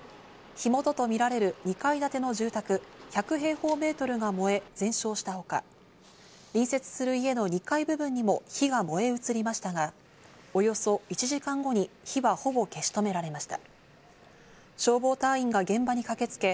火元とみられる２階建ての住宅１００平方メートルが燃え全焼したほか、隣接する家の２階部分にも火が燃え移りましたが、およそ１時間後に火はほぼ消し止められました。